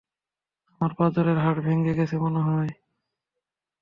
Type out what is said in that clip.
আমার পাঁজরের হাড় ভেঙে গেছে মনে হয়।